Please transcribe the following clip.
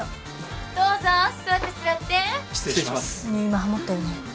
今ハモったよね？